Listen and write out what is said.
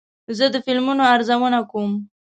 زه د فلمونو ارزونه کوم.